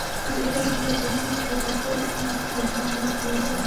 আর এটার ব্যবহারের জন্য তো কাপড় আর ঘর না হলেও চলে।